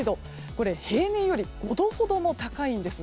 これは平年より５度ほども高いんです。